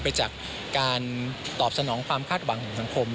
ไปจากการตอบสนองความคาดหวังของสังคม